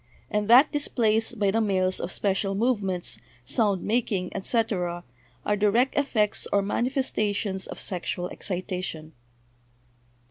and that displays by the males of special movements, sound making, etc.,, are direct effects or manifestations of sexual excita tion."